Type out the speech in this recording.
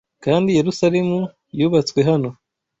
Kandi Yerusalemu yubatswe hano